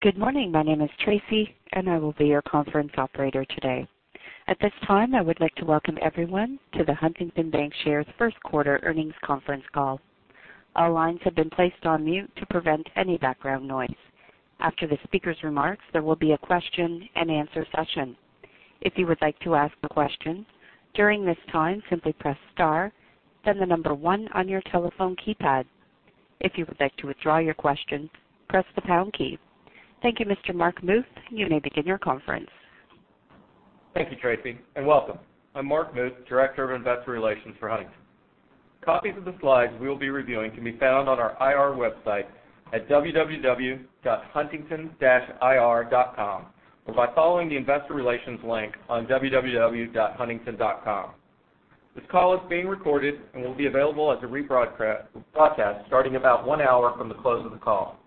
Good morning. My name is Tracy, and I will be your conference operator today. At this time, I would like to welcome everyone to the Huntington Bancshares first quarter earnings conference call. All lines have been placed on mute to prevent any background noise. After the speaker's remarks, there will be a question-and-answer session. If you would like to ask a question during this time, simply press star, then the number 1 on your telephone keypad. If you would like to withdraw your question, press the pound key. Thank you, Mr. Mark Muth. You may begin your conference. Thank you, Tracy, and welcome. I am Mark Muth, Director of Investor Relations for Huntington. Copies of the slides we will be reviewing can be found on our IR website at www.huntington-ir.com, or by following the Investor Relations link on www.huntington.com. This call is being recorded and will be available as a rebroadcast starting about 1 hour from the close of the call.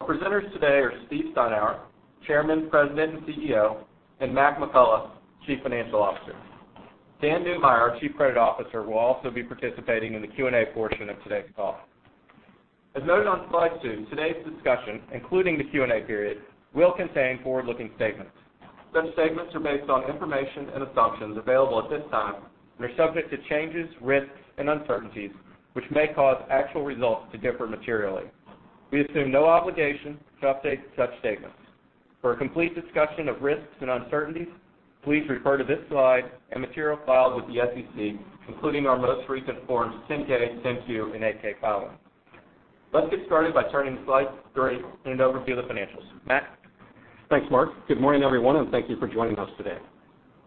Our presenters today are Steve Steinour, Chairman, President, and CEO, and Mac McCullough, Chief Financial Officer. Dan Neumeyer, our Chief Credit Officer, will also be participating in the Q&A portion of today's call. As noted on slide two, today's discussion, including the Q&A period, will contain forward-looking statements. Such statements are based on information and assumptions available at this time and are subject to changes, risks, and uncertainties which may cause actual results to differ materially. We assume no obligation to update such statements. For a complete discussion of risks and uncertainties, please refer to this slide and material filed with the SEC, including our most recent Forms 10-K, 10-Q, and 8-K filing. Let us get started by turning to slide three and an overview of the financials. Mac? Thanks, Mark. Good morning, everyone, and thank you for joining us today.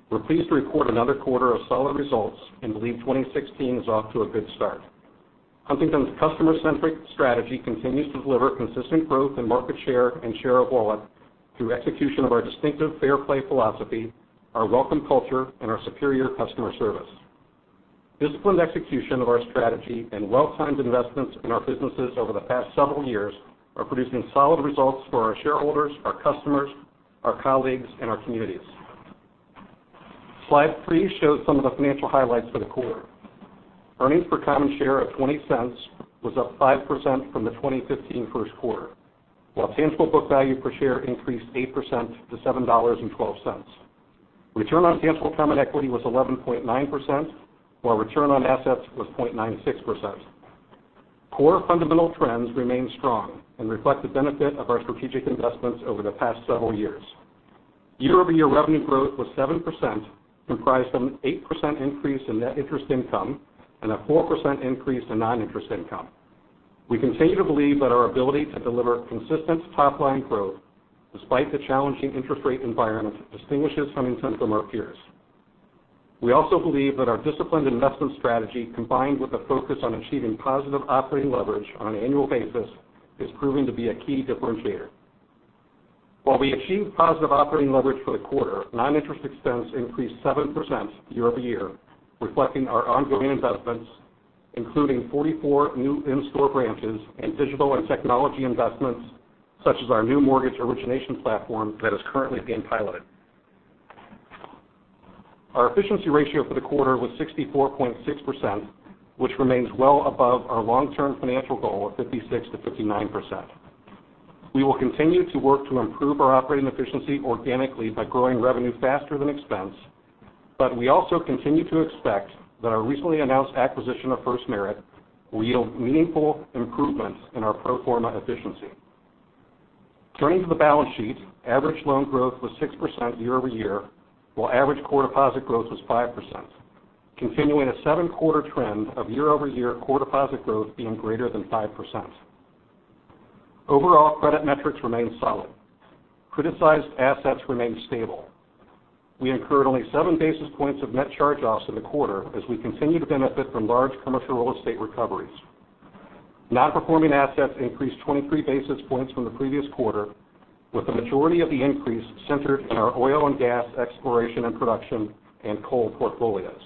We are pleased to report another quarter of solid results and believe 2016 is off to a good start. Huntington's customer-centric strategy continues to deliver consistent growth in market share and share of wallet through execution of our distinctive fair play philosophy, our welcome culture, and our superior customer service. Disciplined execution of our strategy and well-timed investments in our businesses over the past several years are producing solid results for our shareholders, our customers, our colleagues, and our communities. Slide three shows some of the financial highlights for the quarter. Earnings per common share of $0.20 was up 5% from the 2015 first quarter, while tangible book value per share increased 8% to $7.12. Return on tangible common equity was 11.9%, while return on assets was 0.96%. Core fundamental trends remain strong and reflect the benefit of our strategic investments over the past several years. Year-over-year revenue growth was 7%, comprised of an 8% increase in net interest income and a 4% increase in non-interest income. We continue to believe that our ability to deliver consistent top-line growth despite the challenging interest rate environment distinguishes Huntington from our peers. We also believe that our disciplined investment strategy, combined with a focus on achieving positive operating leverage on an annual basis, is proving to be a key differentiator. While we achieved positive operating leverage for the quarter, non-interest expense increased 7% year-over-year, reflecting our ongoing investments, including 44 new in-store branches and digital and technology investments, such as our new mortgage origination platform that is currently being piloted. Our efficiency ratio for the quarter was 64.6%, which remains well above our long-term financial goal of 56%-59%. We will continue to work to improve our operating efficiency organically by growing revenue faster than expense. We also continue to expect that our recently announced acquisition of FirstMerit will yield meaningful improvements in our pro forma efficiency. Turning to the balance sheet, average loan growth was 6% year-over-year, while average core deposit growth was 5%, continuing a seven-quarter trend of year-over-year core deposit growth being greater than 5%. Overall credit metrics remain solid. Criticized assets remain stable. We incurred only seven basis points of net charge-offs in the quarter as we continue to benefit from large commercial real estate recoveries. Non-performing assets increased 23 basis points from the previous quarter, with the majority of the increase centered in our oil and gas exploration and production and coal portfolios.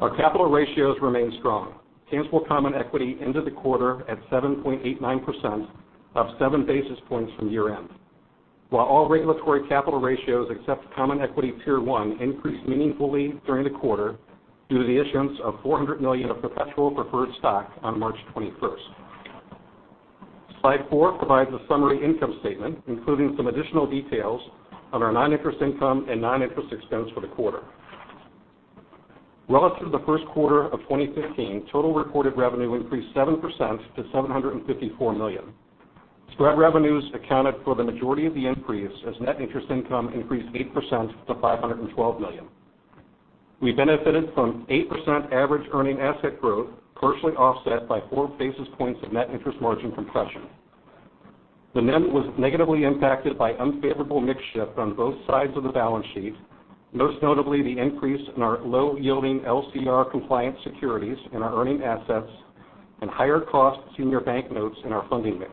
Our capital ratios remain strong. Tangible common equity ended the quarter at 7.89%, up seven basis points from year end. All regulatory capital ratios, except common equity tier 1, increased meaningfully during the quarter due to the issuance of $400 million of perpetual preferred stock on March 21st. Slide four provides a summary income statement, including some additional details on our non-interest income and non-interest expense for the quarter. Relative to the first quarter of 2015, total reported revenue increased 7% to $754 million. Spread revenues accounted for the majority of the increase as net interest income increased 8% to $512 million. We benefited from 8% average earning asset growth, partially offset by four basis points of net interest margin compression. The NIM was negatively impacted by unfavorable mix shift on both sides of the balance sheet, most notably the increase in our low-yielding LCR compliant securities in our earning assets and higher cost senior bank notes in our funding mix.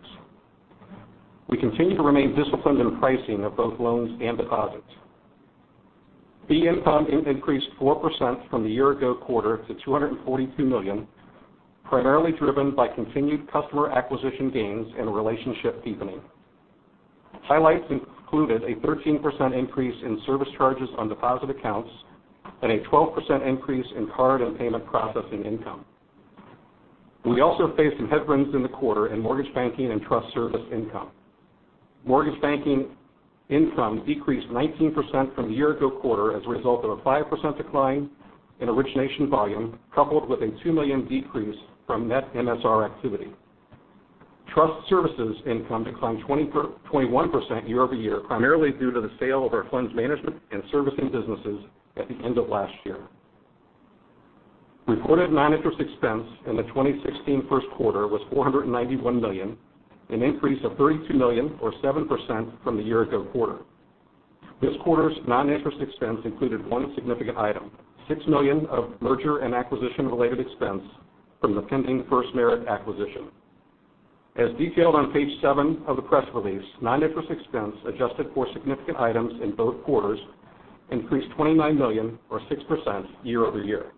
We continue to remain disciplined in pricing of both loans and deposits. Fee income increased 4% from the year ago quarter to $242 million, primarily driven by continued customer acquisition gains and relationship deepening. Highlights included a 13% increase in service charges on deposit accounts and a 12% increase in card and payment processing income. We also faced some headwinds in the quarter in mortgage banking and trust service income. Mortgage banking income decreased 19% from the year ago quarter as a result of a 5% decline in origination volume, coupled with a $2 million decrease from net MSR activity. Trust services income declined 21% year-over-year, primarily due to the sale of our funds management and servicing businesses at the end of last year. Recorded non-interest expense in the 2016 first quarter was $491 million, an increase of $32 million, or 7%, from the year ago quarter. This quarter's non-interest expense included one significant item, $6 million of merger and acquisition related expense from the pending FirstMerit acquisition. As detailed on page seven of the press release, non-interest expense adjusted for significant items in both quarters increased $29 million, or 6%, year-over-year.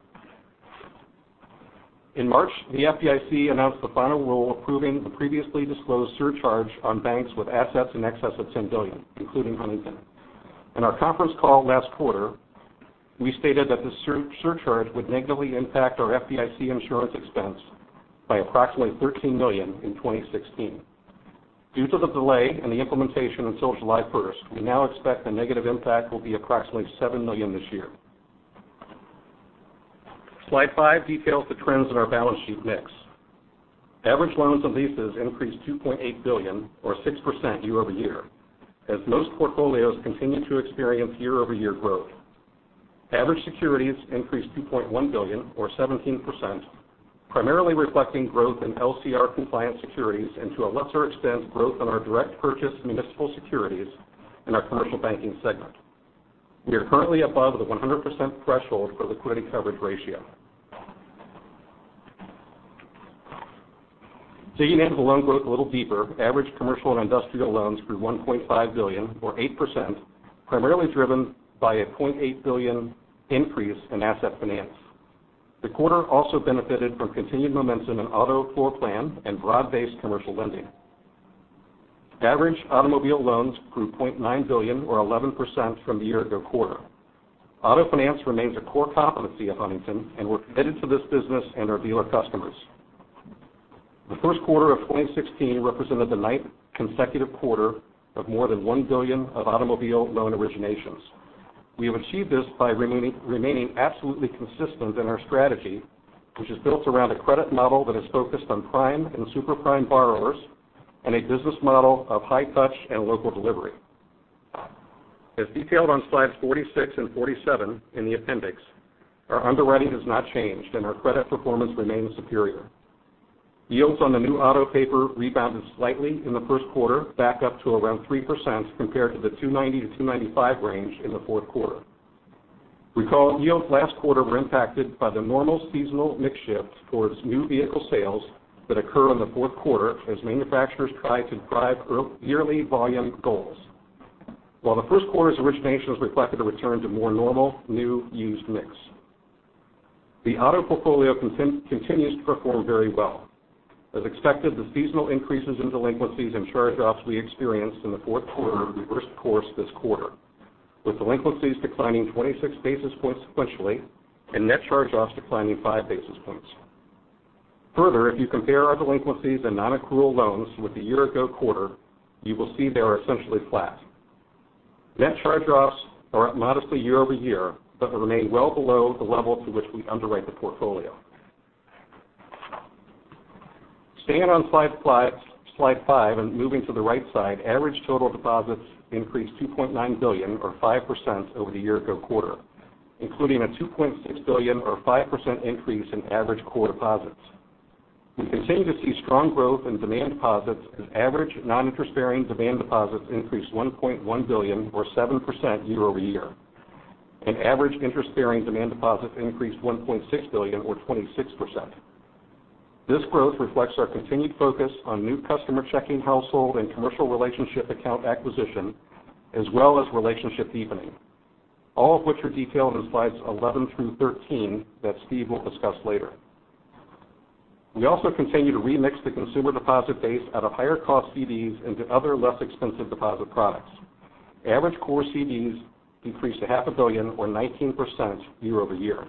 In March, the FDIC announced the final rule approving the previously disclosed surcharge on banks with assets in excess of $10 billion, including Huntington. In our conference call last quarter, we stated that the surcharge would negatively impact our FDIC insurance expense by approximately $13 million in 2016. Due to the delay in the implementation of Social Life First, we now expect the negative impact will be approximately $7 million this year. Slide five details the trends in our balance sheet mix. Average loans and leases increased $2.8 billion, or 6%, year-over-year, as most portfolios continue to experience year-over-year growth. Average securities increased $2.1 billion, or 17%, primarily reflecting growth in LCR compliant securities, and to a lesser extent, growth on our direct purchase municipal securities in our commercial banking segment. We are currently above the 100% threshold for liquidity coverage ratio. Digging into the loan growth a little deeper, average commercial and industrial loans grew $1.5 billion, or 8%, primarily driven by a $0.8 billion increase in asset finance. The quarter also benefited from continued momentum in auto floorplan and broad-based commercial lending. Average automobile loans grew $0.9 billion, or 11%, from the year ago quarter. Auto finance remains a core competency of Huntington, and we're committed to this business and our dealer customers. The first quarter of 2016 represented the ninth consecutive quarter of more than $1 billion of automobile loan originations. We have achieved this by remaining absolutely consistent in our strategy, which is built around a credit model that is focused on prime and super-prime borrowers, and a business model of high-touch and local delivery. As detailed on slides 46 and 47 in the appendix, our underwriting has not changed, and our credit performance remains superior. Yields on the new auto paper rebounded slightly in the first quarter back up to around 3%, compared to the 290-295 range in the fourth quarter. Recall yields last quarter were impacted by the normal seasonal mix shift towards new vehicle sales that occur in the fourth quarter as manufacturers try to drive yearly volume goals. While the first quarter's origination has reflected a return to more normal new-used mix. The auto portfolio continues to perform very well. As expected, the seasonal increases in delinquencies and charge-offs we experienced in the fourth quarter reversed course this quarter, with delinquencies declining 26 basis points sequentially and net charge-offs declining five basis points. Further, if you compare our delinquencies and non-accrual loans with the year ago quarter, you will see they are essentially flat. Net charge-offs are up modestly year-over-year, but remain well below the level to which we underwrite the portfolio. Staying on slide five and moving to the right side, average total deposits increased $2.9 billion, or 5%, over the year-ago quarter, including a $2.6 billion, or 5%, increase in average core deposits. We continue to see strong growth in demand deposits as average non-interest bearing demand deposits increased $1.1 billion, or 7%, year-over-year, and average interest bearing demand deposits increased $1.6 billion, or 26%. This growth reflects our continued focus on new customer checking household and commercial relationship account acquisition, as well as relationship deepening. All of which are detailed in slides 11-13 that Steve will discuss later. We also continue to remix the consumer deposit base out of higher cost CDs into other, less expensive deposit products. Average core CDs decreased a half a billion, or 19%, year-over-year.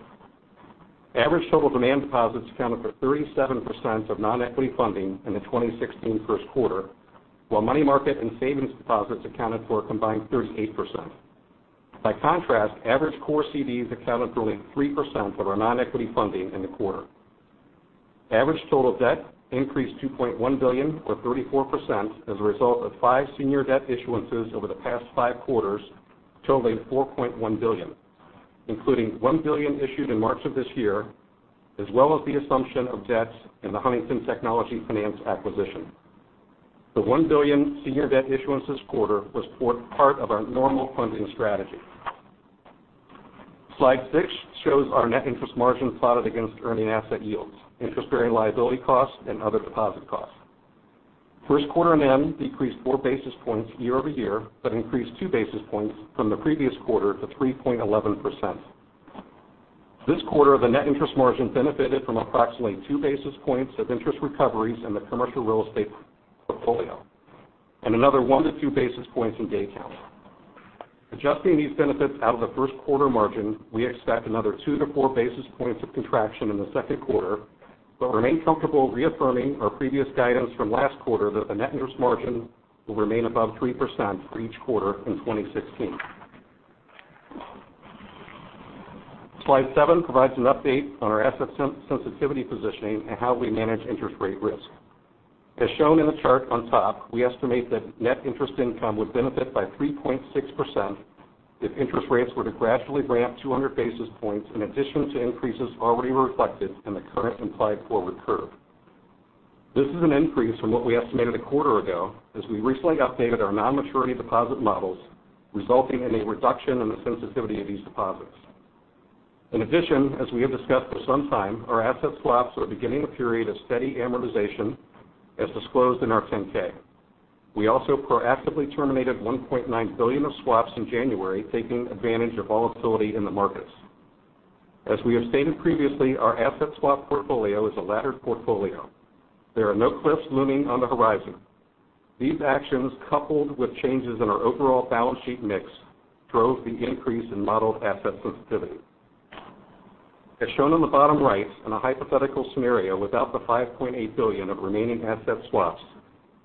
Average total demand deposits accounted for 37% of non-equity funding in the 2016 first quarter, while money market and savings deposits accounted for a combined 38%. By contrast, average core CDs accounted for only 3% of our non-equity funding in the quarter. Average total debt increased $2.1 billion, or 34%, as a result of five senior debt issuances over the past five quarters totaling $4.1 billion, including $1 billion issued in March of this year, as well as the assumption of debts in the Huntington Technology Finance acquisition. The $1 billion senior debt issuance this quarter was part of our normal funding strategy. Slide six shows our net interest margin plotted against earning asset yields, interest bearing liability costs, and other deposit costs. First quarter NIM decreased four basis points year-over-year but increased two basis points from the previous quarter to 3.11%. This quarter, the net interest margin benefited from approximately two basis points of interest recoveries in the commercial real estate portfolio and another one to two basis points in day count. Adjusting these benefits out of the first quarter margin, we expect another two to four basis points of contraction in the second quarter, but remain comfortable reaffirming our previous guidance from last quarter that the net interest margin will remain above 3% for each quarter in 2016. Slide seven provides an update on our asset sensitivity positioning and how we manage interest rate risk. As shown in the chart on top, we estimate that net interest income would benefit by 3.6% if interest rates were to gradually ramp 200 basis points in addition to increases already reflected in the current implied forward curve. This is an increase from what we estimated a quarter ago, as we recently updated our non-maturity deposit models, resulting in a reduction in the sensitivity of these deposits. In addition, as we have discussed for some time, our asset swaps are beginning a period of steady amortization, as disclosed in our 10-K. We also proactively terminated $1.9 billion of swaps in January, taking advantage of volatility in the markets. As we have stated previously, our asset swap portfolio is a laddered portfolio. There are no cliffs looming on the horizon. These actions, coupled with changes in our overall balance sheet mix, drove the increase in modeled asset sensitivity. As shown on the bottom right, in a hypothetical scenario without the $5.8 billion of remaining asset swaps,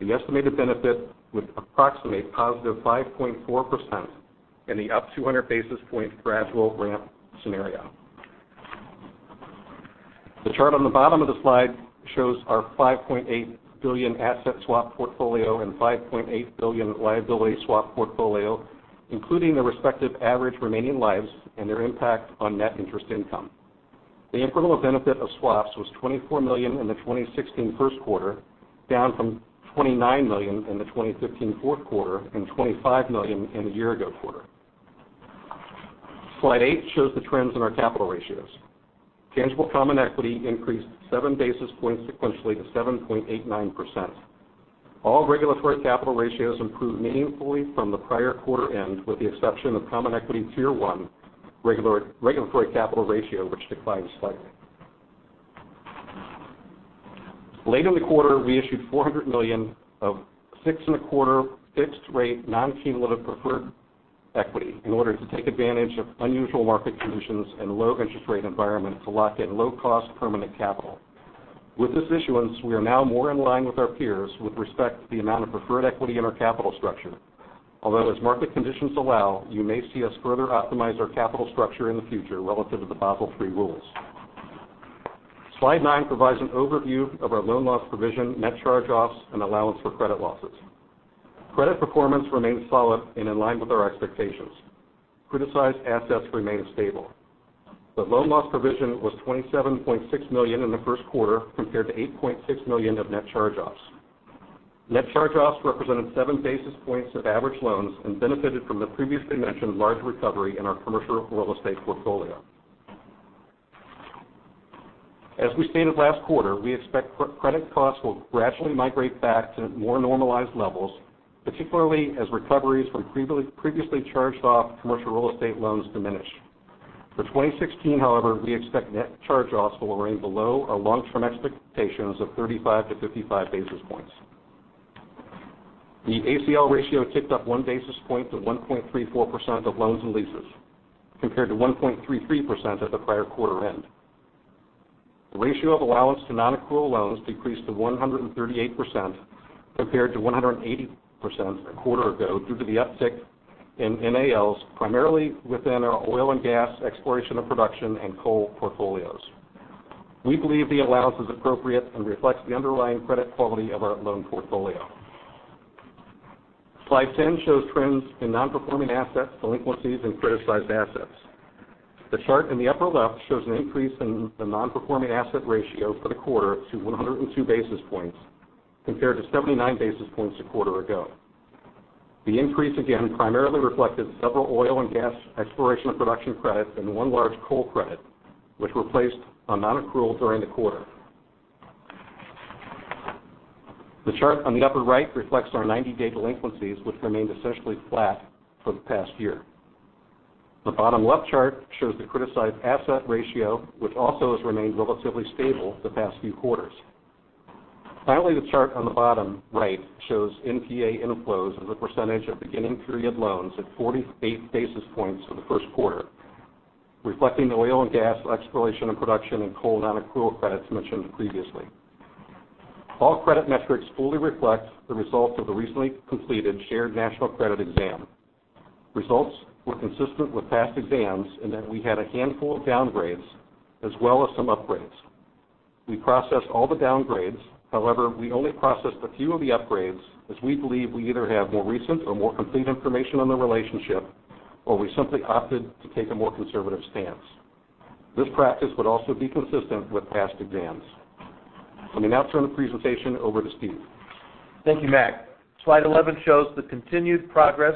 the estimated benefit would approximate positive 5.4% in the up 200 basis point gradual ramp scenario. The chart on the bottom of the slide shows our $5.8 billion asset swap portfolio and $5.8 billion liability swap portfolio, including the respective average remaining lives and their impact on net interest income. The incremental benefit of swaps was $24 million in the 2016 first quarter, down from $29 million in the 2015 fourth quarter and $25 million in the year-ago quarter. Slide eight shows the trends in our capital ratios. Tangible common equity increased seven basis points sequentially to 7.89%. All regulatory capital ratios improved meaningfully from the prior quarter end, with the exception of common equity tier 1 regulatory capital ratio, which declined slightly. Late in the quarter, we issued $400 million of six-and-a-quarter fixed rate non-cumulative preferred equity in order to take advantage of unusual market conditions and low interest rate environment to lock in low-cost permanent capital. As market conditions allow, you may see us further optimize our capital structure in the future relative to the Basel III rules. Slide nine provides an overview of our loan loss provision, net charge-offs, and allowance for credit losses. Credit performance remains solid and in line with our expectations. Criticized assets remain stable. The loan loss provision was $27.6 million in the first quarter compared to $8.6 million of net charge-offs. Net charge-offs represented seven basis points of average loans and benefited from the previously mentioned large recovery in our commercial real estate portfolio. As we stated last quarter, we expect credit costs will gradually migrate back to more normalized levels, particularly as recoveries from previously charged-off commercial real estate loans diminish. For 2016, however, we expect net charge-offs will remain below our long-term expectations of 35 to 55 basis points. The ACL ratio ticked up one basis point to 1.34% of loans and leases, compared to 1.33% at the prior quarter end. The ratio of allowance to non-accrual loans decreased to 138%, compared to 180% a quarter ago, due to the uptick in NALs, primarily within our oil and gas exploration and production and coal portfolios. We believe the allowance is appropriate and reflects the underlying credit quality of our loan portfolio. Slide 10 shows trends in non-performing assets, delinquencies, and criticized assets. The chart in the upper left shows an increase in the non-performing asset ratio for the quarter to 102 basis points, compared to 79 basis points a quarter ago. The increase, again, primarily reflected several oil and gas exploration and production credits and one large coal credit, which were placed on non-accrual during the quarter. The chart on the upper right reflects our 90-day delinquencies, which remained essentially flat for the past year. The bottom left chart shows the criticized asset ratio, which also has remained relatively stable the past few quarters. Finally, the chart on the bottom right shows NPA inflows as a percentage of beginning period loans at 48 basis points for the first quarter, reflecting the oil and gas exploration and production and coal non-accrual credits mentioned previously. All credit metrics fully reflect the results of the recently completed shared national credit exam. Results were consistent with past exams in that we had a handful of downgrades as well as some upgrades. We processed all the downgrades. However, we only processed a few of the upgrades, as we believe we either have more recent or more complete information on the relationship, or we simply opted to take a more conservative stance. This practice would also be consistent with past exams. Let me now turn the presentation over to Steve. Thank you, Mac. Slide 11 shows the continued progress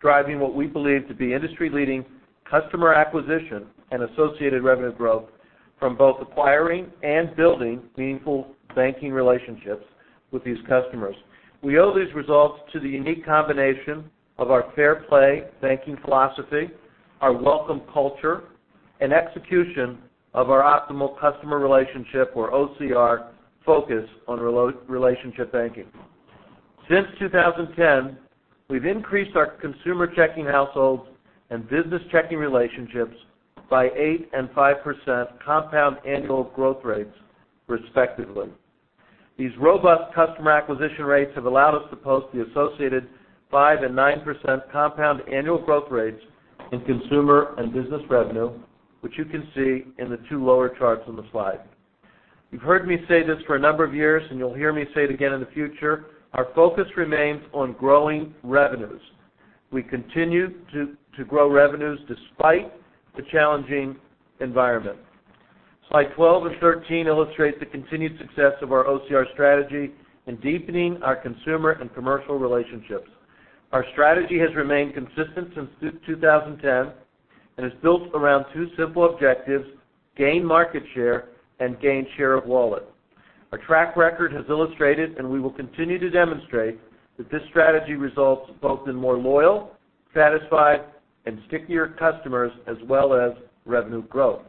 driving what we believe to be industry-leading customer acquisition and associated revenue growth from both acquiring and building meaningful banking relationships with these customers. We owe these results to the unique combination of our fair play banking philosophy, our welcome culture And execution of our Optimal Customer Relationship, or OCR, focus on relationship banking. Since 2010, we've increased our consumer checking households and business checking relationships by 8% and 5% compound annual growth rates respectively. These robust customer acquisition rates have allowed us to post the associated 5% and 9% compound annual growth rates in consumer and business revenue, which you can see in the two lower charts on the slide. You've heard me say this for a number of years, and you'll hear me say it again in the future. Our focus remains on growing revenues. We continue to grow revenues despite the challenging environment. Slides 12 and 13 illustrate the continued success of our OCR strategy in deepening our consumer and commercial relationships. Our strategy has remained consistent since 2010 and is built around two simple objectives: gain market share and gain share of wallet. Our track record has illustrated, and we will continue to demonstrate, that this strategy results both in more loyal, satisfied, and stickier customers as well as revenue growth.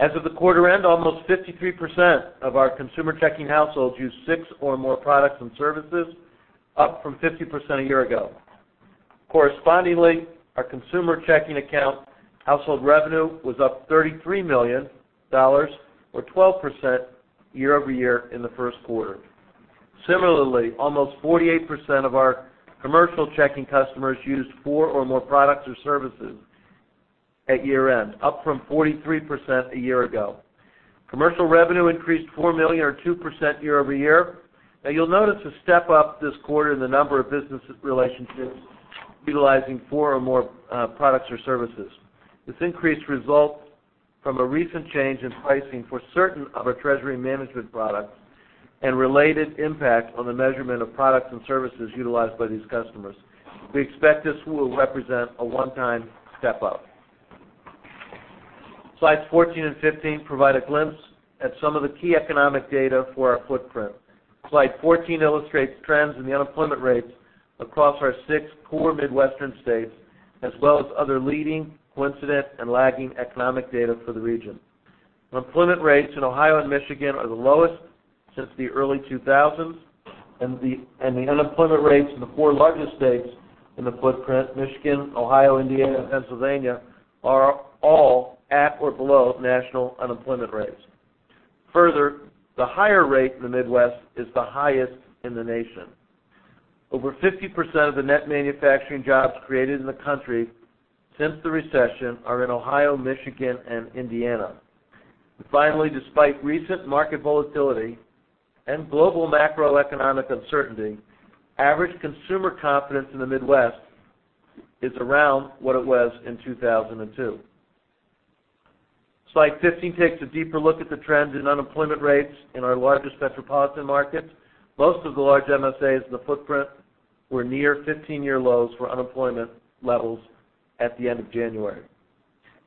As of the quarter end, almost 53% of our consumer checking households use six or more products and services, up from 50% a year ago. Correspondingly, our consumer checking account household revenue was up $33 million, or 12%, year-over-year in the first quarter. Similarly, almost 48% of our commercial checking customers used four or more products or services at year end, up from 43% a year ago. Commercial revenue increased $4 million, or 2%, year-over-year. Now you'll notice a step up this quarter in the number of business relationships utilizing four or more products or services. This increase results from a recent change in pricing for certain of our treasury management products and related impact on the measurement of products and services utilized by these customers. We expect this will represent a one-time step up. Slides 14 and 15 provide a glimpse at some of the key economic data for our footprint. Slide 14 illustrates trends in the unemployment rates across our six core Midwestern states, as well as other leading, coincident, and lagging economic data for the region. Unemployment rates in Ohio and Michigan are the lowest since the early 2000s. The unemployment rates in the four largest states in the footprint, Michigan, Ohio, Indiana, and Pennsylvania, are all at or below national unemployment rates. Further, the higher rate in the Midwest is the highest in the nation. Over 50% of the net manufacturing jobs created in the country since the recession are in Ohio, Michigan, and Indiana. Finally, despite recent market volatility and global macroeconomic uncertainty, average consumer confidence in the Midwest is around what it was in 2002. Slide 15 takes a deeper look at the trends in unemployment rates in our largest metropolitan markets. Most of the large MSAs in the footprint were near 15-year lows for unemployment levels at the end of January.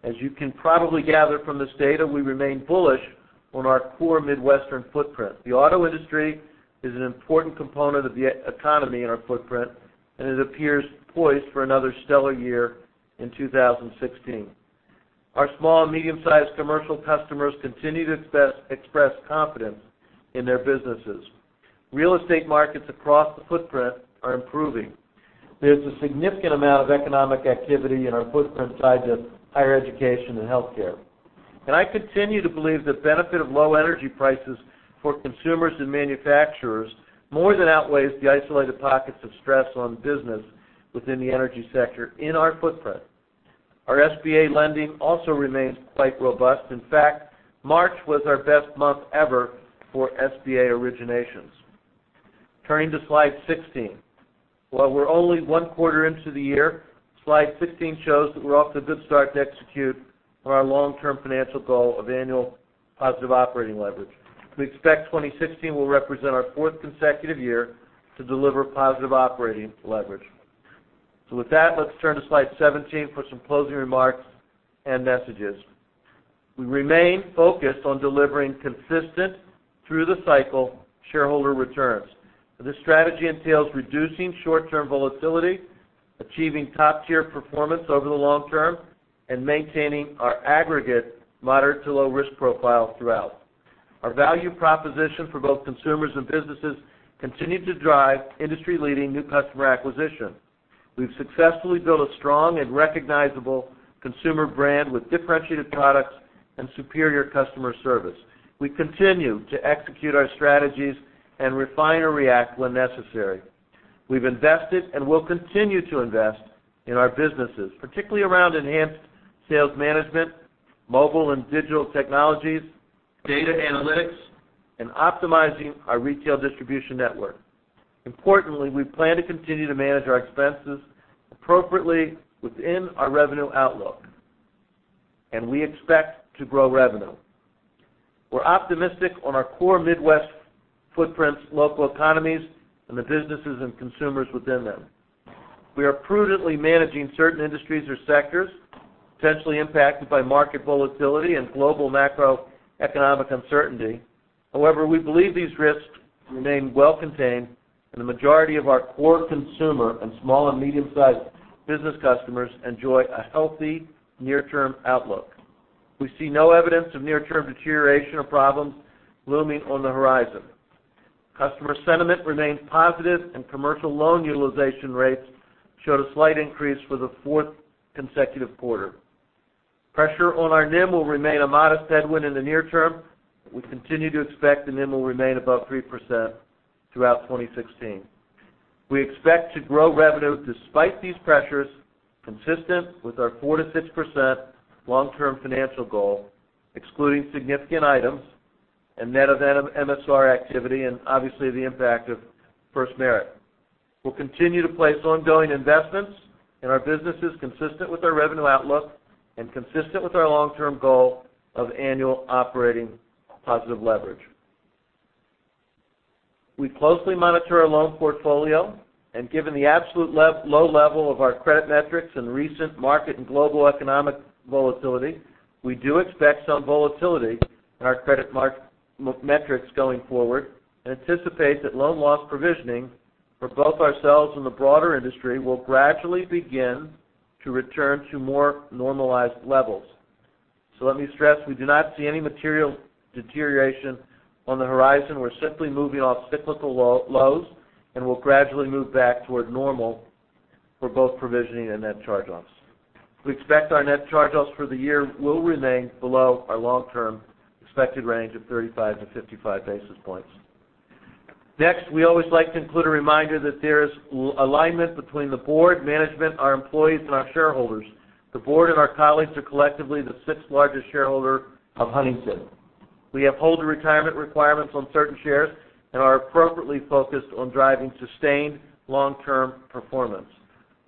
As you can probably gather from this data, we remain bullish on our core Midwestern footprint. The auto industry is an important component of the economy in our footprint, and it appears poised for another stellar year in 2016. Our small and medium-sized commercial customers continue to express confidence in their businesses. Real estate markets across the footprint are improving. There's a significant amount of economic activity in our footprint tied to higher education and healthcare. I continue to believe the benefit of low energy prices for consumers and manufacturers more than outweighs the isolated pockets of stress on business within the energy sector in our footprint. Our SBA lending also remains quite robust. In fact, March was our best month ever for SBA originations. Turning to slide 16. While we're only one quarter into the year, slide 16 shows that we're off to a good start to execute on our long-term financial goal of annual positive operating leverage. We expect 2016 will represent our fourth consecutive year to deliver positive operating leverage. With that, let's turn to slide 17 for some closing remarks and messages. We remain focused on delivering consistent through the cycle shareholder returns. This strategy entails reducing short-term volatility, achieving top-tier performance over the long term, and maintaining our aggregate moderate to low risk profile throughout. Our value proposition for both consumers and businesses continues to drive industry-leading new customer acquisition. We've successfully built a strong and recognizable consumer brand with differentiated products and superior customer service. We continue to execute our strategies and refine or react when necessary. We've invested and will continue to invest in our businesses, particularly around enhanced sales management, mobile and digital technologies, data analytics, and optimizing our retail distribution network. Importantly, we plan to continue to manage our expenses appropriately within our revenue outlook, and we expect to grow revenue. We're optimistic on our core Midwest footprint's local economies and the businesses and consumers within them. We are prudently managing certain industries or sectors potentially impacted by market volatility and global macroeconomic uncertainty. However, we believe these risks remain well contained and the majority of our core consumer and small and medium-sized business customers enjoy a healthy near-term outlook. We see no evidence of near-term deterioration or problems looming on the horizon. Customer sentiment remains positive, and commercial loan utilization rates showed a slight increase for the fourth consecutive quarter. Pressure on our NIM will remain a modest headwind in the near term, but we continue to expect the NIM will remain above 3% throughout 2016. We expect to grow revenue despite these pressures, consistent with our 4%-6% long-term financial goal, excluding significant items and net of MSR activity and obviously the impact of FirstMerit. We'll continue to place ongoing investments in our businesses consistent with our revenue outlook and consistent with our long-term goal of annual operating positive leverage. We closely monitor our loan portfolio and given the absolute low level of our credit metrics and recent market and global economic volatility, we do expect some volatility in our credit metrics going forward and anticipate that loan loss provisioning for both ourselves and the broader industry will gradually begin to return to more normalized levels. Let me stress, we do not see any material deterioration on the horizon. We're simply moving off cyclical lows, and we'll gradually move back toward normal for both provisioning and net charge-offs. We expect our net charge-offs for the year will remain below our long-term expected range of 35-55 basis points. Next, we always like to include a reminder that there is alignment between the board, management, our employees, and our shareholders. The board and our colleagues are collectively the sixth largest shareholder of Huntington. We have holder retirement requirements on certain shares and are appropriately focused on driving sustained long-term performance.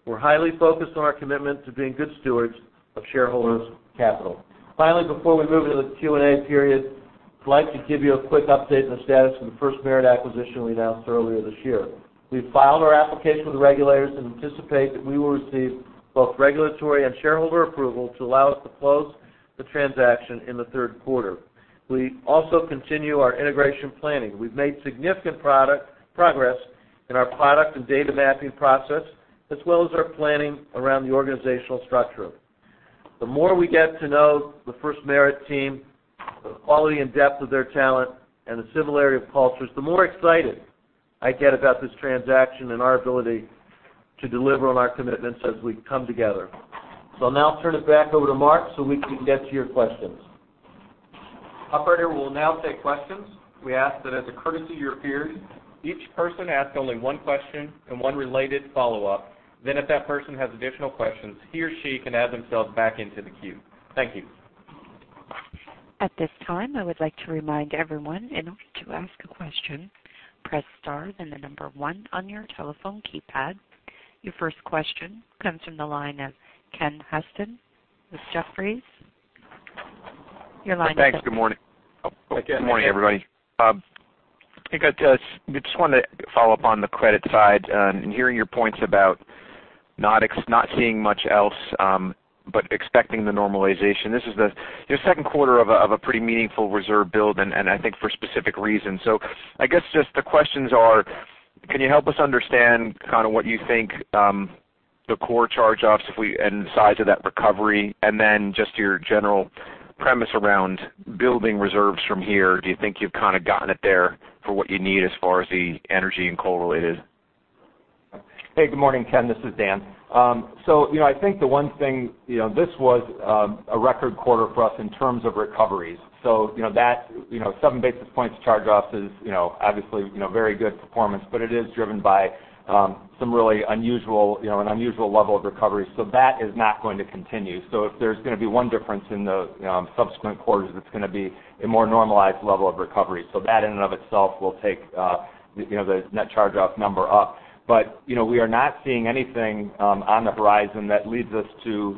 We're highly focused on our commitment to being good stewards of shareholders' capital. Finally, before we move into the Q&A period, I'd like to give you a quick update on the status of the FirstMerit acquisition we announced earlier this year. We've filed our application with the regulators and anticipate that we will receive both regulatory and shareholder approval to allow us to close the transaction in the third quarter. We also continue our integration planning. We've made significant progress in our product and data mapping process, as well as our planning around the organizational structure. The more we get to know the FirstMerit team, the quality and depth of their talent, and the similarity of cultures, the more excited I get about this transaction and our ability to deliver on our commitments as we come together. I'll now turn it back over to Mark so we can get to your questions. Operator, we'll now take questions. We ask that as a courtesy to your peers, each person ask only one question and one related follow-up. If that person has additional questions, he or she can add themselves back into the queue. Thank you. At this time, I would like to remind everyone, in order to ask a question, press star, then the number one on your telephone keypad. Your first question comes from the line of Ken Usdin with Jefferies. Your line is open. Thanks. Good morning. Hey, Ken. Good morning, everybody. I just wanted to follow up on the credit side and hearing your points about not seeing much else, but expecting the normalization. This is the second quarter of a pretty meaningful reserve build and I think for specific reasons. I guess just the questions are, can you help us understand what you think the core charge-offs, and the size of that recovery, and then just your general premise around building reserves from here? Do you think you've gotten it there for what you need as far as the energy and coal related? Hey, good morning, Ken. This is Dan. I think the one thing, this was a record quarter for us in terms of recoveries. 7 basis points charge-offs is obviously very good performance, but it is driven by an unusual level of recovery. That is not going to continue. If there's going to be one difference in the subsequent quarters, it's going to be a more normalized level of recovery. That in and of itself will take the net charge-off number up. We are not seeing anything on the horizon that leads us to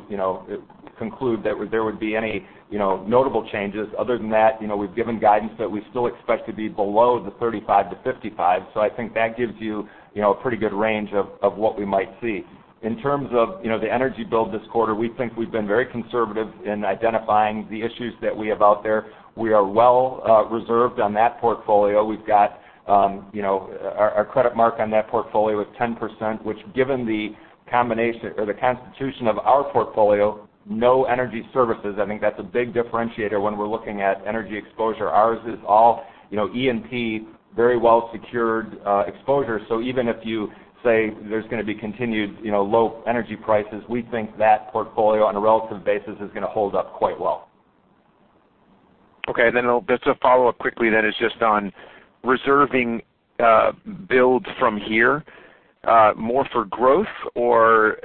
conclude that there would be any notable changes. Other than that, we've given guidance that we still expect to be below the 35 to 55. I think that gives you a pretty good range of what we might see. In terms of the energy build this quarter, we think we've been very conservative in identifying the issues that we have out there. We are well reserved on that portfolio. Our credit mark on that portfolio is 10%, which given the constitution of our portfolio, no energy services. I think that's a big differentiator when we're looking at energy exposure. Ours is all E&P, very well secured exposure. Even if you say there's going to be continued low energy prices, we think that portfolio on a relative basis is going to hold up quite well. Okay. Just a follow-up quickly is just on reserving builds from here. More for growth, or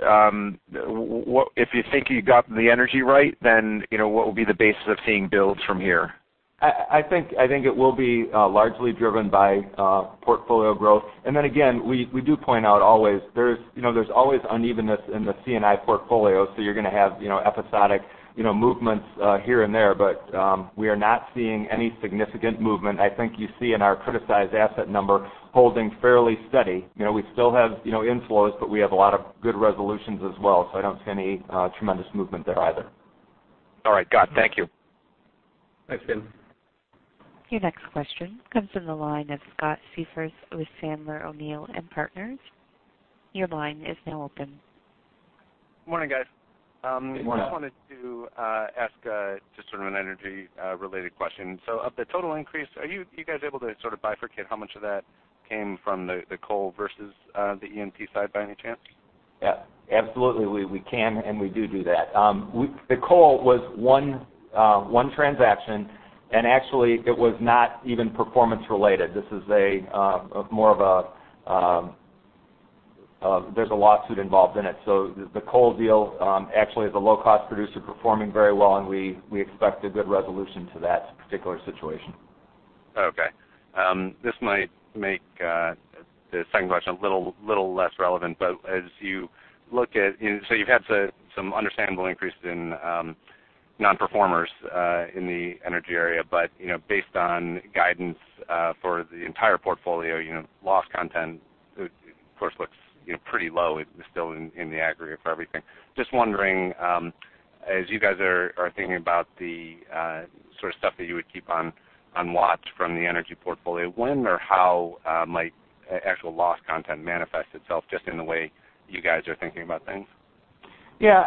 if you think you got the energy right, what will be the basis of seeing builds from here? I think it will be largely driven by portfolio growth. Again, we do point out always, there's always unevenness in the C&I portfolio, you're going to have episodic movements here and there. We are not seeing any significant movement. I think you see in our criticized asset number holding fairly steady. We still have inflows, but we have a lot of good resolutions as well. I don't see any tremendous movement there either. All right, got it. Thank you. Thanks, Ken. Your next question comes from the line of Scott Siefers with Sandler O'Neill & Partners. Your line is now open. Good morning, guys. Good morning. I just wanted to ask just sort of an energy-related question. Of the total increase, are you guys able to sort of bifurcate how much of that came from the coal versus the E&P side, by any chance? Yeah, absolutely. We can, and we do that. The coal was one transaction, and actually it was not even performance related. There's a lawsuit involved in it. The coal deal actually is a low-cost producer performing very well, and we expect a good resolution to that particular situation. Okay. This might make the second question a little less relevant. You've had some understandable increases in non-performers in the energy area. Based on guidance for the entire portfolio, loss content, of course, looks pretty low still in the aggregate for everything. Just wondering, as you guys are thinking about the sort of stuff that you would keep on watch from the energy portfolio, when or how might actual loss content manifest itself just in the way you guys are thinking about things? Yeah.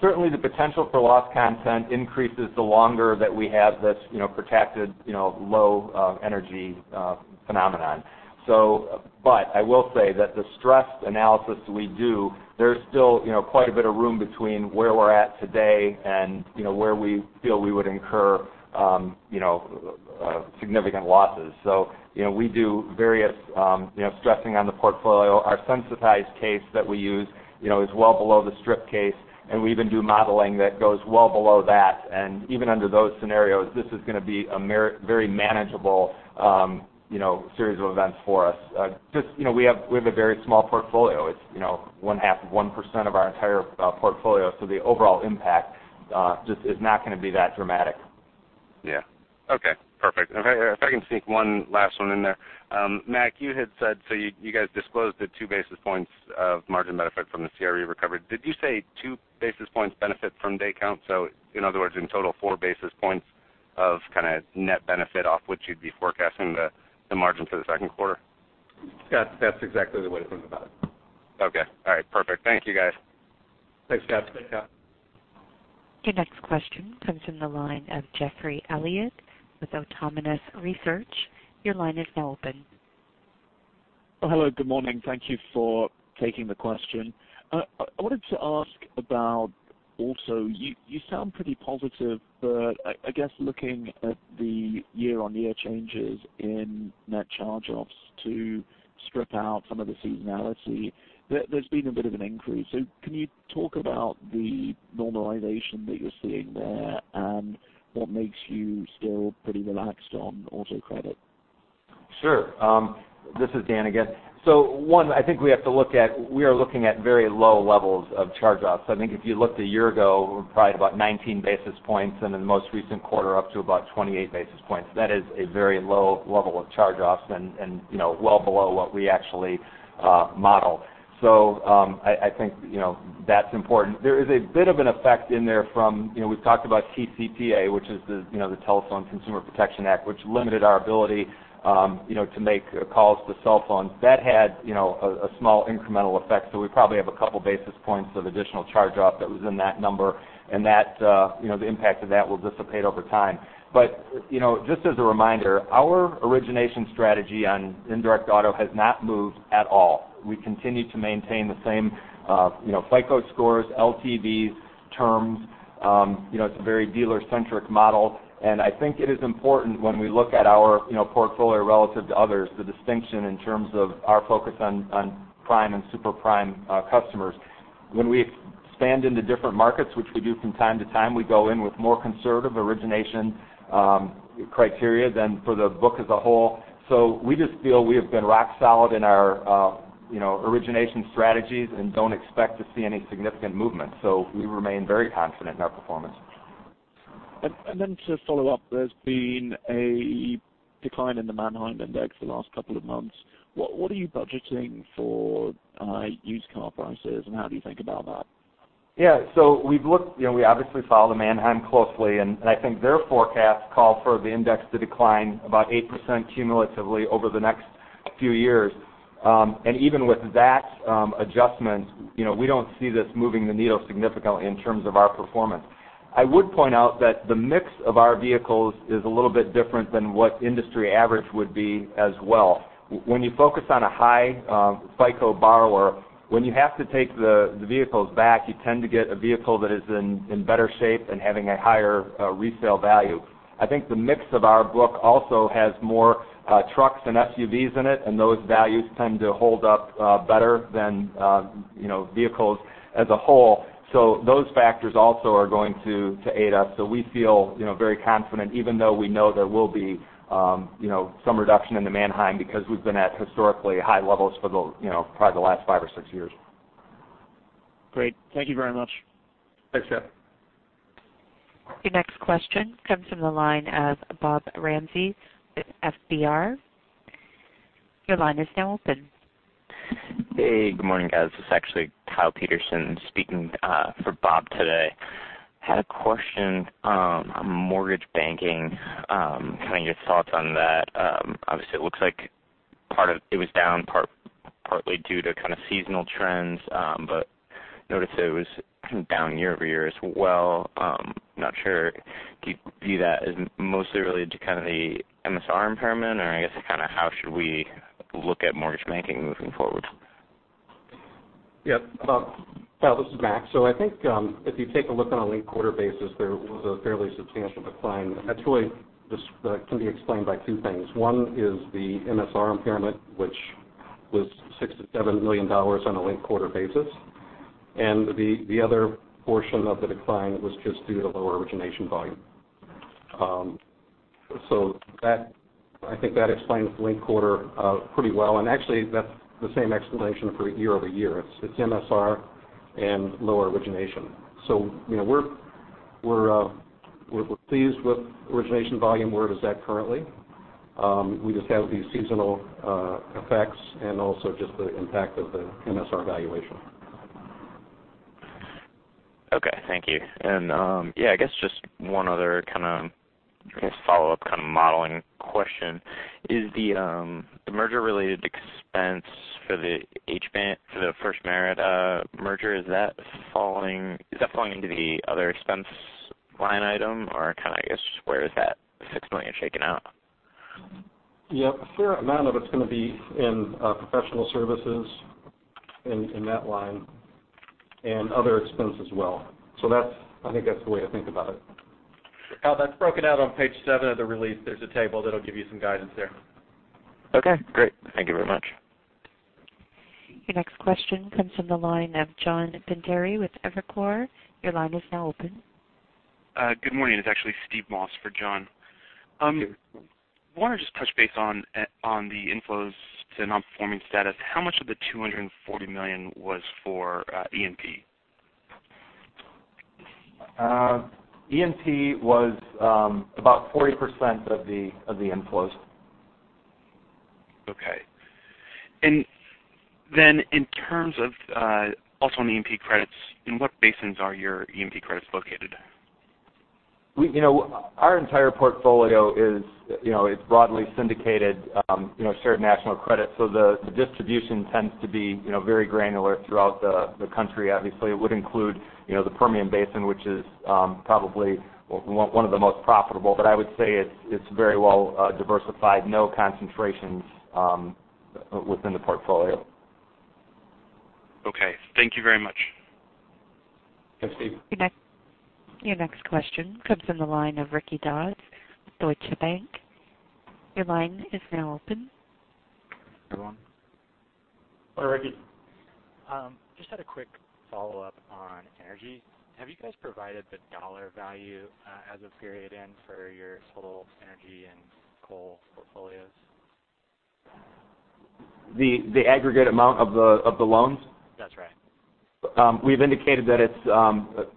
Certainly, the potential for loss content increases the longer that we have this protected low energy phenomenon. I will say that the stress analysis we do, there's still quite a bit of room between where we're at today and where we feel we would incur significant losses. We do various stressing on the portfolio. Our sensitized case that we use is well below the strip case, and we even do modeling that goes well below that. Even under those scenarios, this is going to be a very manageable series of events for us. We have a very small portfolio. It's one half of 1% of our entire portfolio, so the overall impact just is not going to be that dramatic. Yeah. Okay, perfect. If I can sneak one last one in there. Mac, you had said, you guys disclosed the two basis points of margin benefit from the CRE recovery. Did you say two basis points benefit from day count? In other words, in total, four basis points of kind of net benefit off which you'd be forecasting the margin for the second quarter? That's exactly the way to think about it. Okay. All right, perfect. Thank you, guys. Thanks, Scott. Thanks, Scott. Your next question comes from the line of Geoffrey Elliott with Autonomous Research. Your line is now open. Hello, good morning. Thank you for taking the question. I wanted to ask about also, you sound pretty positive. I guess looking at the year-on-year changes in net charge-offs to strip out some of the seasonality, there's been a bit of an increase. Can you talk about the normalization that you're seeing there and what makes you still pretty relaxed on auto credit? Sure. This is Dan again. One, I think we are looking at very low levels of charge-offs. I think if you looked a year ago, we were probably about 19 basis points, and in the most recent quarter, up to about 28 basis points. That is a very low level of charge-offs and well below what we actually model. I think that's important. There is a bit of an effect in there from, we've talked about TCPA, which is the Telephone Consumer Protection Act, which limited our ability to make calls to cell phones. That had a small incremental effect. We probably have a couple basis points of additional charge-off that was in that number, and the impact of that will dissipate over time. Just as a reminder, our origination strategy on indirect auto has not moved at all. We continue to maintain the same FICO scores, LTVs, terms. It's a very dealer-centric model. I think it is important when we look at our portfolio relative to others, the distinction in terms of our focus on prime and super prime customers. When we expand into different markets, which we do from time to time, we go in with more conservative origination criteria than for the book as a whole. We just feel we have been rock solid in our origination strategies and don't expect to see any significant movement. We remain very confident in our performance. To follow up, there's been a decline in the Manheim Index the last couple of months. What are you budgeting for used car prices, and how do you think about that? Yeah. We obviously follow the Manheim closely, I think their forecast call for the index to decline about 8% cumulatively over the next few years. Even with that adjustment, we don't see this moving the needle significantly in terms of our performance. I would point out that the mix of our vehicles is a little bit different than what industry average would be as well. When you focus on a high FICO borrower, when you have to take the vehicles back, you tend to get a vehicle that is in better shape and having a higher resale value. I think the mix of our book also has more trucks and SUVs in it, and those values tend to hold up better than vehicles as a whole. Those factors also are going to aid us. We feel very confident, even though we know there will be some reduction in the Manheim because we've been at historically high levels for probably the last five or six years. Great. Thank you very much. Thanks, Jeff. Your next question comes from the line of Bob Ramsey with FBR. Your line is now open. Hey, good morning, guys. This is actually Kyle Peterson speaking for Bob today. Had a question on mortgage banking, your thoughts on that. Obviously, it looks like it was down partly due to seasonal trends, but noticed that it was down year-over-year as well. Not sure, do you view that as mostly related to the MSR impairment or I guess how should we look at mortgage banking moving forward? Yeah. Kyle, this is Mac. I think if you take a look on a linked-quarter basis, there was a fairly substantial decline. Actually, this can be explained by two things. One is the MSR impairment, which was $67 million on a linked-quarter basis, and the other portion of the decline was just due to lower origination volume. I think that explains the linked-quarter pretty well. Actually, that's the same explanation for year-over-year. It's MSR and lower origination. We're pleased with origination volume where it is at currently. We just have these seasonal effects and also just the impact of the MSR valuation. Okay. Thank you. Yeah, I guess just one other follow-up modeling question. Is the merger related expense for the FirstMerit merger, is that falling into the other expense line item or where is that $6 million shaking out? Yeah. A fair amount of it's going to be in professional services, in that line, and other expense as well. I think that's the way to think about it. Kyle, that's broken out on page seven of the release. There's a table that'll give you some guidance there. Okay, great. Thank you very much. Your next question comes from the line of John Pancari with Evercore. Your line is now open. Good morning. It's actually Steve Moss for John. Sure. Wanted to just touch base on the inflows to non-performing status. How much of the $240 million was for E&P? E&P was about 40% of the inflows. Okay. Then also on E&P credits, in what basins are your E&P credits located? Our entire portfolio is broadly syndicated shared national credit. The distribution tends to be very granular throughout the country. Obviously, it would include the Permian Basin, which is probably one of the most profitable. I would say it's very well diversified. No concentrations within the portfolio. Okay. Thank you very much. Thanks, Steve. Your next question comes from the line of Ricky Dodds with Deutsche Bank. Your line is now open. Go on. Hello, Ricky. Just had a quick follow-up on energy. Have you guys provided the dollar value as of period end for your total energy and coal portfolios? The aggregate amount of the loans? That's right. We've indicated that it's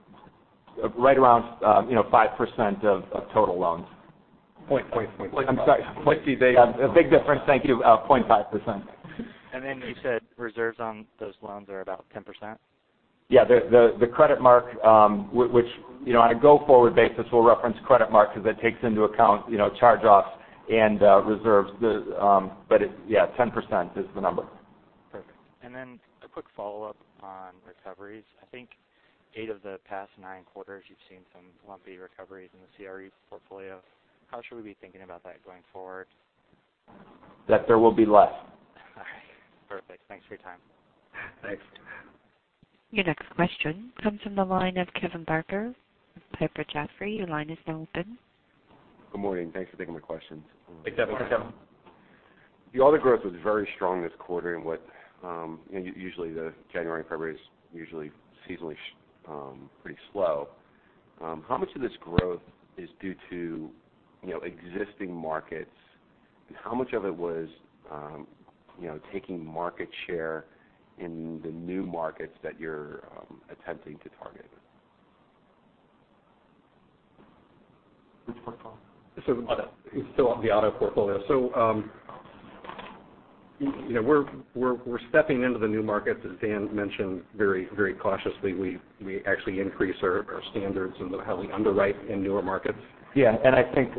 right around 5% of total loans. 0.5%. I'm sorry. 0.5. Big difference. Thank you. 0.5%. Then you said reserves on those loans are about 10%? Yeah. The credit mark, which on a go-forward basis, we'll reference credit mark because it takes into account charge-offs and reserves. Yeah, 10% is the number. Perfect. Then a quick follow-up on recoveries. I think eight of the past nine quarters you've seen some lumpy recoveries in the CRE portfolio. How should we be thinking about that going forward? That there will be less. All right. Perfect. Thanks for your time. Thanks. Your next question comes from the line of Kevin Barker with Piper Jaffray. Your line is now open. Good morning. Thanks for taking my questions. Thanks, Kevin. Good morning. The auto growth was very strong this quarter. Usually, the January, February is usually seasonally pretty slow. How much of this growth is due to existing markets? How much of it was taking market share in the new markets that you're attempting to target? Which portfolio? Auto. Still the auto portfolio. We're stepping into the new markets, as Dan mentioned, very cautiously. We actually increase our standards in how we underwrite in newer markets. Yeah. I think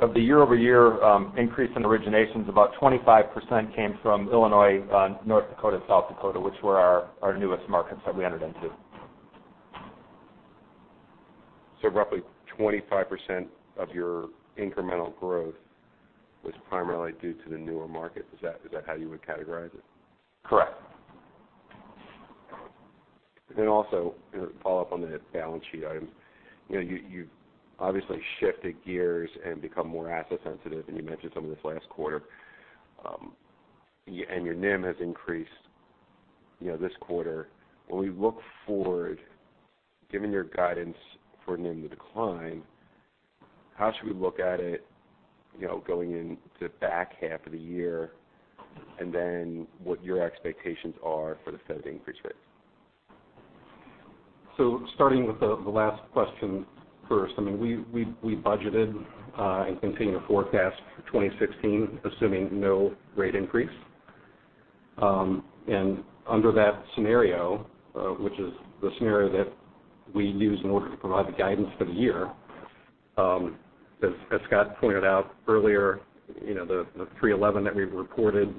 of the year-over-year increase in originations, about 25% came from Illinois, North Dakota, South Dakota, which were our newest markets that we entered into. Roughly 25% of your incremental growth was primarily due to the newer markets. Is that how you would categorize it? Correct. Also follow up on the balance sheet items. You've obviously shifted gears and become more asset sensitive, and you mentioned some of this last quarter. Your NIM has increased this quarter. When we look forward, given your guidance for NIM to decline, how should we look at it, going into the back half of the year, what your expectations are for the Fed increase rates? Starting with the last question first. We budgeted and continue to forecast for 2016, assuming no rate increase. Under that scenario, which is the scenario that we use in order to provide the guidance for the year, as Scott pointed out earlier, the 311 that we've reported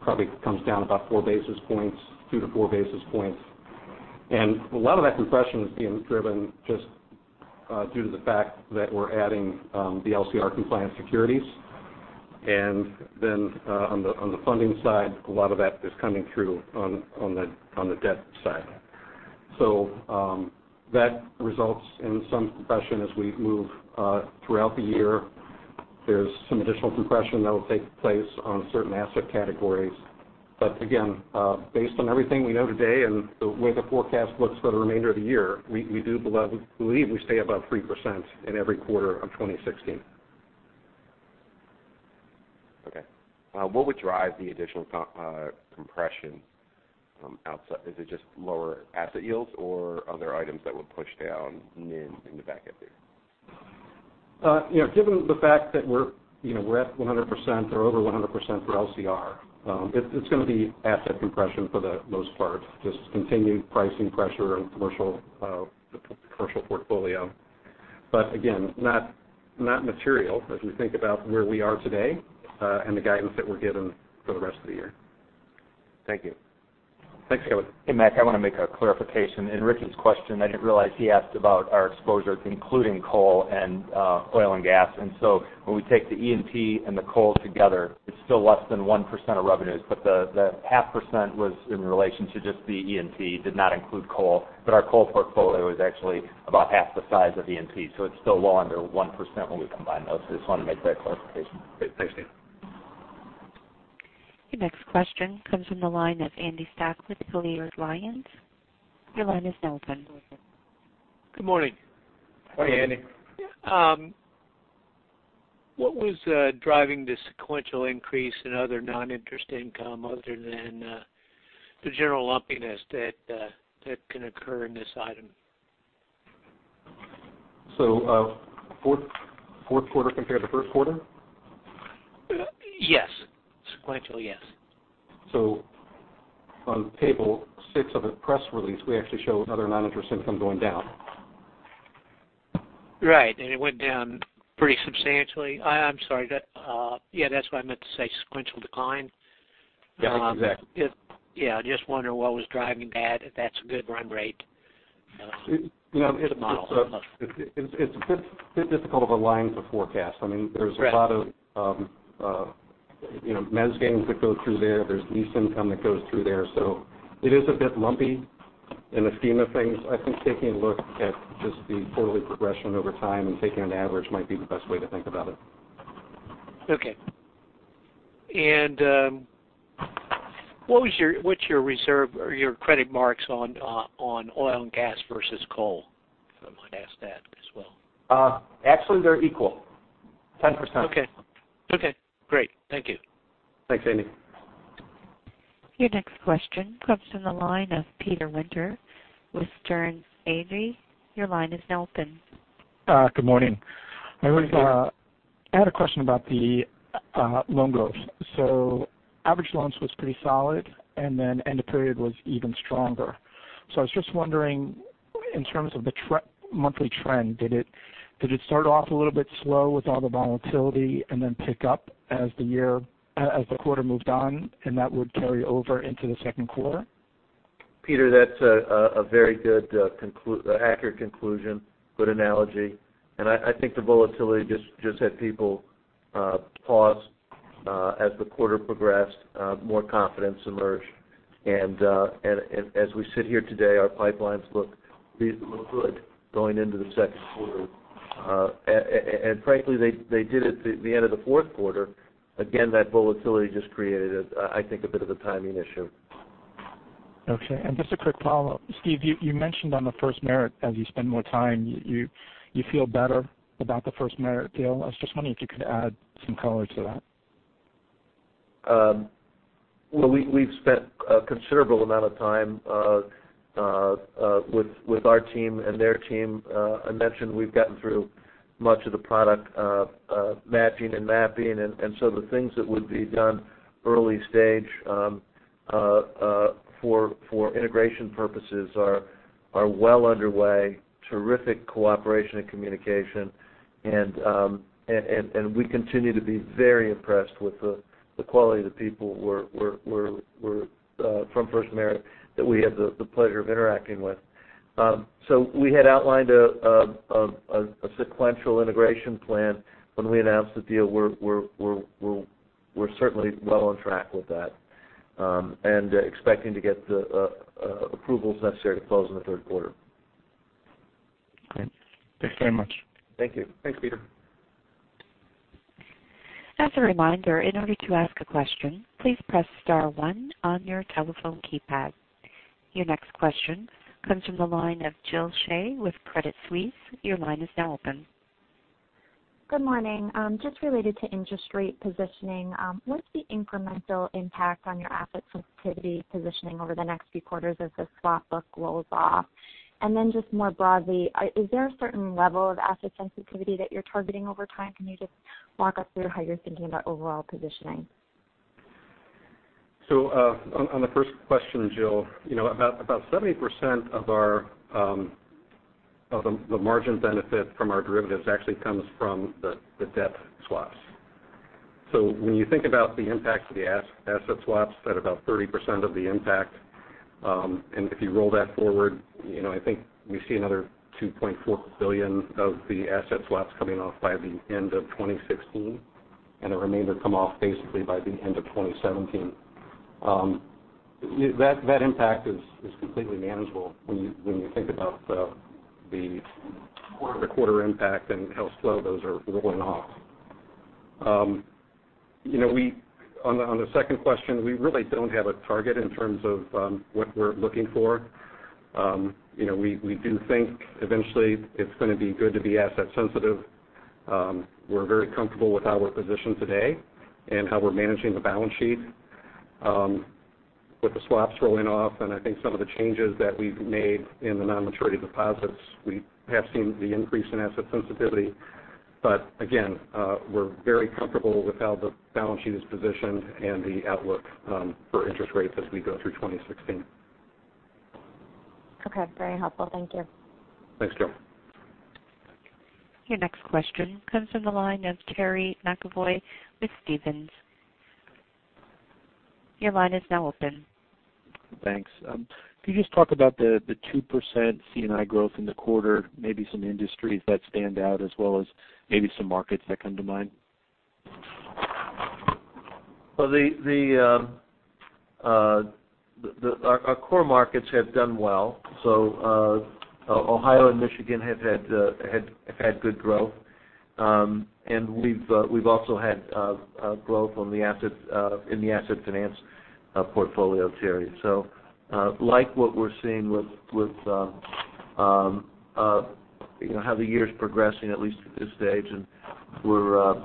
probably comes down about four basis points, two to four basis points. A lot of that compression is being driven just due to the fact that we're adding the LCR compliance securities. On the funding side, a lot of that is coming through on the debt side. That results in some compression as we move throughout the year. There's some additional compression that will take place on certain asset categories. Again, based on everything we know today and the way the forecast looks for the remainder of the year, we do believe we stay above 3% in every quarter of 2016. Okay. What would drive the additional compression? Is it just lower asset yields or other items that would push down NIM in the back half of the year? Given the fact that we're at 100% or over 100% for LCR, it's going to be asset compression for the most part, just continued pricing pressure on the commercial portfolio. Again, not material as we think about where we are today and the guidance that we're giving for the rest of the year. Thank you. Thanks, Kevin. Hey, Mack, I want to make a clarification. In Ricky's question, I didn't realize he asked about our exposure to including coal and oil and gas. When we take the E&P and the coal together, it's still less than 1% of revenues. The half percent was in relation to just the E&P, did not include coal. Our coal portfolio is actually about half the size of E&P, so it's still well under 1% when we combine those. I just wanted to make that clarification. Great. Thanks, Steve. Your next question comes from the line of Andy Stapp with Baird Lyons. Your line is now open. Good morning. Morning, Andy. What was driving the sequential increase in other non-interest income other than the general lumpiness that can occur in this item? fourth quarter compared to first quarter? Yes. Sequential, yes. On table six of the press release, we actually show other non-interest income going down. Right. It went down pretty substantially. I'm sorry. Yeah, that's what I meant to say, sequential decline. Yeah, exactly. Yeah, just wondering what was driving that, if that's a good run rate going forward. It's a bit difficult to align the forecast. Right. There's a lot of management gains that go through there. There's lease income that goes through there. It is a bit lumpy in the scheme of things. I think taking a look at just the quarterly progression over time and taking an average might be the best way to think about it. Okay. What's your reserve or your credit marks on oil and gas versus coal? If I might ask that as well. Actually, they're equal, 10%. Okay. Great. Thank you. Thanks, Andy. Your next question comes from the line of Peter Winter with Sterne Agee. Your line is now open. Good morning. Good morning. I had a question about the loan growth. Average loans was pretty solid, and then end of period was even stronger. I was just wondering, in terms of the monthly trend, did it start off a little bit slow with all the volatility and then pick up as the quarter moved on and that would carry over into the second quarter? Peter, that's a very good, accurate conclusion. Good analogy. I think the volatility just had people pause. As the quarter progressed, more confidence emerged. As we sit here today, our pipelines look good going into the second quarter. Frankly, they did at the end of the fourth quarter. Again, that volatility just created, I think, a bit of a timing issue. Okay. Just a quick follow-up. Steve, you mentioned on the FirstMerit, as you spend more time, you feel better about the FirstMerit deal. I was just wondering if you could add some color to that. Well, we've spent a considerable amount of time with our team and their team. I mentioned we've gotten through much of the product matching and mapping. The things that would be done early stage for integration purposes are well underway. Terrific cooperation and communication. We continue to be very impressed with the quality of the people from FirstMerit that we have the pleasure of interacting with. We had outlined a sequential integration plan when we announced the deal. We're certainly well on track with that and expecting to get the approvals necessary to close in the third quarter. Great. Thanks very much. Thank you. Thanks, Peter. As a reminder, in order to ask a question, please press star 1 on your telephone keypad. Your next question comes from the line of Jill Shea with Credit Suisse. Your line is now open. Good morning. Just related to interest rate positioning, what's the incremental impact on your asset sensitivity positioning over the next few quarters as the swap book rolls off? Just more broadly, is there a certain level of asset sensitivity that you're targeting over time? Can you just walk us through how you're thinking about overall positioning? On the first question, Jill, about 70% of the margin benefit from our derivatives actually comes from the debt swaps. When you think about the impact of the asset swaps at about 30% of the impact, and if you roll that forward, I think we see another $2.4 billion of the asset swaps coming off by the end of 2016, and the remainder come off basically by the end of 2017. That impact is completely manageable when you think about the quarter-to-quarter impact and how slow those are rolling off. On the second question, we really don't have a target in terms of what we're looking for. We do think eventually it's going to be good to be asset sensitive. We're very comfortable with how we're positioned today and how we're managing the balance sheet. With the swaps rolling off and I think some of the changes that we've made in the non-maturity deposits, we have seen the increase in asset sensitivity. Again, we're very comfortable with how the balance sheet is positioned and the outlook for interest rates as we go through 2016. Okay. Very helpful. Thank you. Thanks, Jill. Your next question comes from the line of Terry McEvoy with Stephens. Your line is now open. Thanks. Could you just talk about the 2% C&I growth in the quarter, maybe some industries that stand out as well as maybe some markets that come to mind? Our core markets have done well. Ohio and Michigan have had good growth. We've also had growth in the asset finance portfolio, Terry. Like what we're seeing with how the year's progressing, at least at this stage, and we're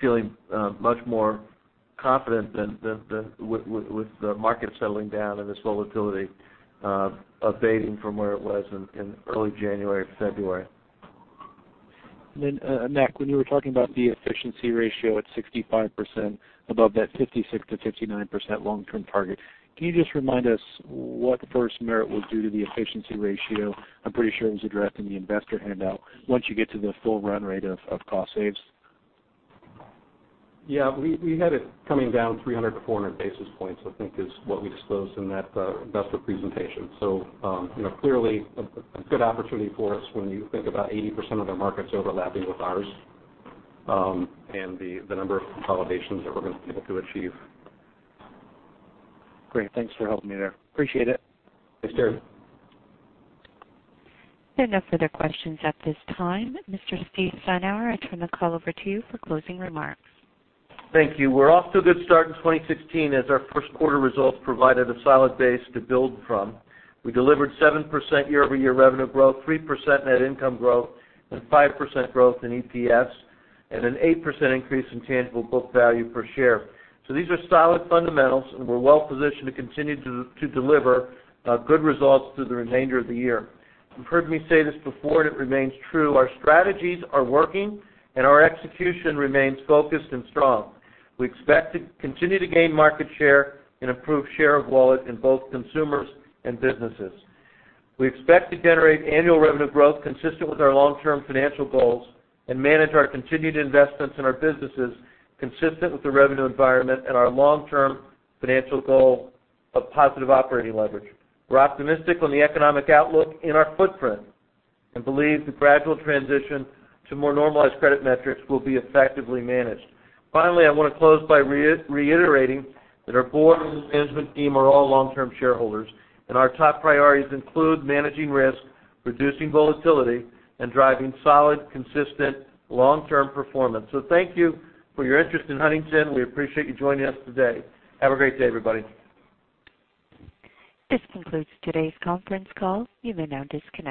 feeling much more confident with the market settling down and this volatility abating from where it was in early January, February. Mac, when you were talking about the efficiency ratio at 65%, above that 56%-59% long-term target, can you just remind us what FirstMerit will do to the efficiency ratio once you get to the full run rate of cost saves? I'm pretty sure it was addressed in the investor handout. Yeah. We had it coming down 300 to 400 basis points, I think is what we disclosed in that investor presentation. Clearly a good opportunity for us when you think about 80% of their market's overlapping with ours, and the number of consolidations that we're going to be able to achieve. Great. Thanks for helping me there. Appreciate it. Thanks, Terry. There are no further questions at this time. Mr. Steve Steinour, I turn the call over to you for closing remarks. Thank you. We're off to a good start in 2016, as our first quarter results provided a solid base to build from. We delivered 7% year-over-year revenue growth, 3% net income growth, and 5% growth in EPS, and an 8% increase in tangible book value per share. These are solid fundamentals, and we're well positioned to continue to deliver good results through the remainder of the year. You've heard me say this before, and it remains true, our strategies are working, and our execution remains focused and strong. We expect to continue to gain market share and improve share of wallet in both consumers and businesses. We expect to generate annual revenue growth consistent with our long-term financial goals and manage our continued investments in our businesses consistent with the revenue environment and our long-term financial goal of positive operating leverage. We're optimistic on the economic outlook in our footprint and believe the gradual transition to more normalized credit metrics will be effectively managed. Finally, I want to close by reiterating that our board and management team are all long-term shareholders, and our top priorities include managing risk, reducing volatility, and driving solid, consistent long-term performance. Thank you for your interest in Huntington. We appreciate you joining us today. Have a great day, everybody. This concludes today's conference call. You may now disconnect.